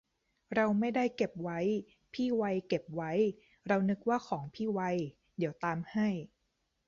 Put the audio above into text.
เราไม่ได้เก็บไว้ พี่ไวเก็บไว้ เรานึกว่าของพี่ไว เดี๋ยวตามให้